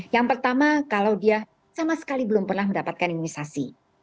yang pertama kalau dia sama sekali belum pernah mendapatkan imunisasi